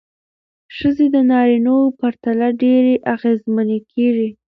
ښځې د نارینه وو پرتله ډېرې اغېزمنې کېږي.